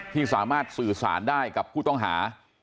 ที่สามารถสื่อสารได้กับผู้ต้องหา